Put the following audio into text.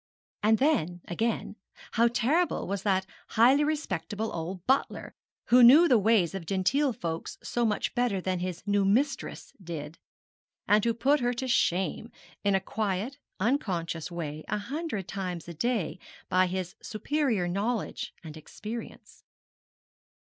And then, again, how terrible was that highly respectable old butler, who knew the ways of gentle folks so much better than his new mistress did; and who put her to shame, in a quiet unconscious way, a hundred times a day by his superior knowledge and experience.